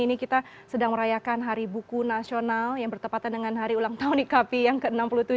ini kita sedang merayakan hari buku nasional yang bertepatan dengan hari ulang tahun ikapi yang ke enam puluh tujuh